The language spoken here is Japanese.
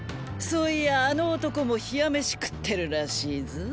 そういやあの男も冷や飯くってるらしいぞ。